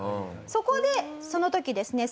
そこでその時ですね